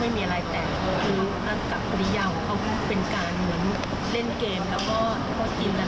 เพราะฉะนั้นเรื่องคืออย่างว่าพวกน้องมันแก้งเขาจนน้องเขาไม่มีทำไม่ได้